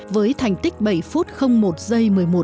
với thành tích bảy phút một gi một mươi một